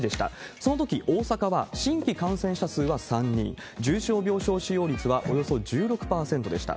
そのとき大阪は、新規感染者数は３人、重症病床使用率はおよそ１６％でした。